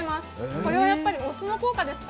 これはやはりお酢の効果ですか？